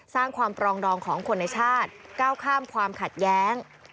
สร้างความปรองดองของคนในชาติก้าวข้ามความขัดแย้ง